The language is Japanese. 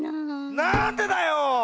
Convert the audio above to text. なんでだよ！